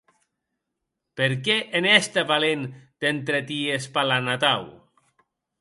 Per qué, en èster valent, t’entreties parlant atau?